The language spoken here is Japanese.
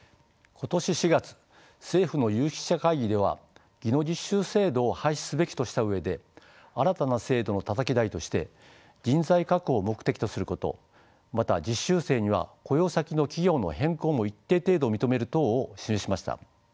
今年４月政府の有識者会議では技能実習制度を廃止すべきとした上で新たな制度のたたき台として人材確保を目的とすることまた実習生には雇用先の企業の変更も一定程度認める等を示しました。